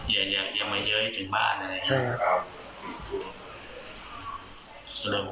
อย่ามาเย้ยถึงบ้านนะครับ